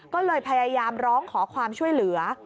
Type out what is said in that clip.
ก็เลยพยายามร้องขอความช่วยเหลือ